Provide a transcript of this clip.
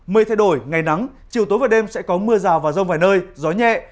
mây thay đổi ngày nắng chiều tối và đêm sẽ có mưa rào và rông vài nơi gió nhẹ